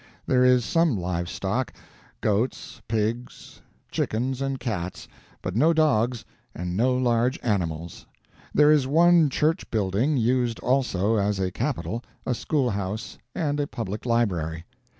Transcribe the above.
There is some live stock goats, pigs, chickens, and cats; but no dogs, and no large animals. There is one church building used also as a capitol, a schoolhouse, and a public library.